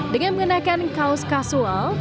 dengan mengenakan kaos kasual